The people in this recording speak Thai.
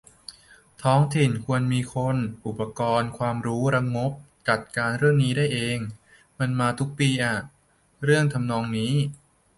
ท้องถิ่นควรมีคน อุปกรณ์ ความรู้ และงบ จัดการเรื่องนี้ได้เอง มันมาทุกปีอะ เรื่องทำนองนี้